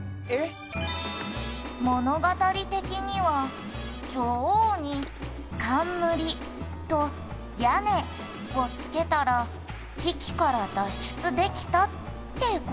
「物語的には女王に冠と屋根をつけたら危機から脱出できたって事よね」